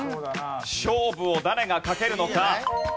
勝負を誰がかけるのか？